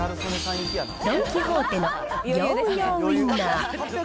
ドン・キホーテの業務用ウインナー。